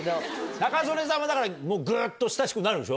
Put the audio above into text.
仲宗根さんはだからグッと親しくなるでしょ？